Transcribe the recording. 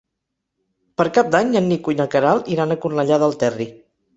Per Cap d'Any en Nico i na Queralt iran a Cornellà del Terri.